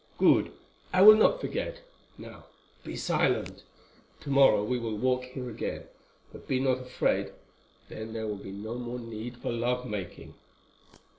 "Good, I will not forget. Now be silent. Tomorrow we will walk here again; but be not afraid, then there will be no more need for love making."